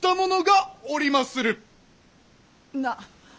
なっ！